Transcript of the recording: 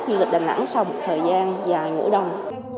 du lịch đà nẵng sau một thời gian dài ngủ đông